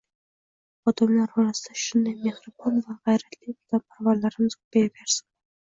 Xodimlar orasida shunday mehribon va gʻayratli vatanparvarlarimiz koʻpayaversin